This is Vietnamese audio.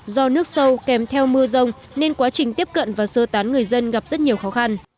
do nước sâu kèm theo mưa rông nên quá trình tiếp cận và sơ tán người dân gặp rất nhiều khó khăn